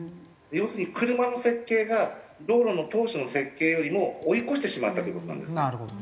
要するに車の設計が道路の当初の設計よりも追い越してしまったという事なんです。